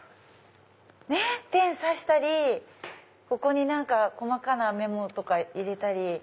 ペン差したりここに細かなメモとか入れたり。